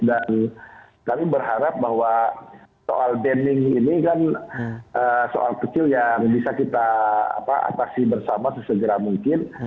dan kami berharap bahwa soal banning ini kan soal kecil yang bisa kita atasi bersama sesegera mungkin